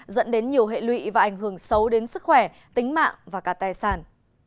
dẫn đến nhiều hệ lụy và ảnh hưởng xấu đến sức khỏe tính mạng và cả tài sản